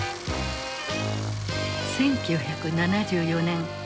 １９７４年。